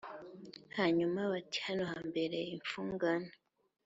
Hanyuma bati hano hambereye imfungane